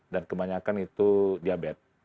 dan kebanyakan itu diabetes